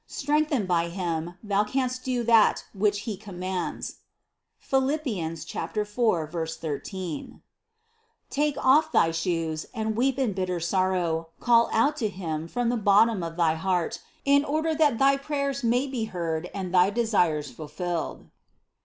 Strengthened by Him, thou canst do that which He com mands (Phil. 4, 13) ; take off thy shoes and weep in bit ter sorrow, call out to Him from the bottom of thy heart, in order that thy prayers may be heard and thy desires fulfilled."